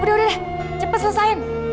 udah udah cepet selesain